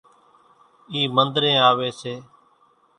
اِي منۮرين آوي سي